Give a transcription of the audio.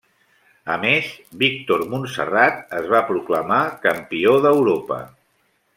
A més, Víctor Montserrat es va proclamar campió d'Europa.